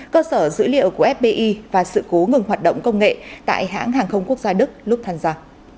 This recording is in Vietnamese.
cơ sở dữ liệu của fbi và sự cố ngừng hoạt động công nghệ tại hãng hàng không quốc gia đức lúc tham gia